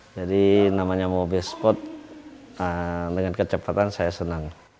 jadi namanya mobil sport dengan kecepatan saya senang